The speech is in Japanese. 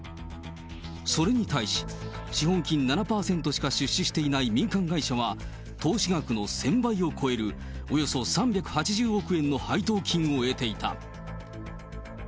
それに対し、資本金７％しか出資していない民間会社は投資額の１０００倍を超えるおよそ３８０億円の配当金を得ていた。